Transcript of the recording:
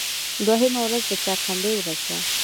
دوهمه ورځ د چهار شنبې ورځ وه.